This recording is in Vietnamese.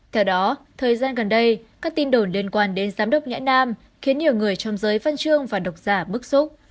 theo đó thời gian gần đây các tin đồn liên quan đến giám đốc nhãn nam khiến nhiều người trong giới văn chương và độc giả bức xúc